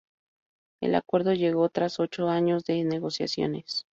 El acuerdo llegó tras ocho años de negociaciones.